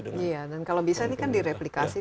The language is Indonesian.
dengan pemerintah kalau bisa ini kan direplikasi